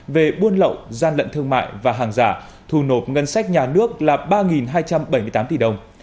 về buôn lậu gian lận thương mại và hàng giả thù nộp ngân sách nhà nước là ba hai trăm bảy mươi tám tỷ đồng